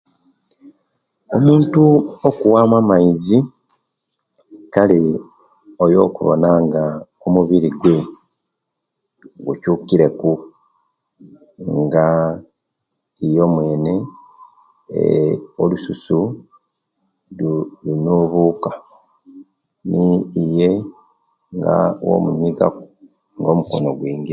Omuntu okuwamu amaizi kale oyakuwona omubiri gwe gucukireku nga iye omwene eee olususu lunubuka bwomuyiga ku nga omukona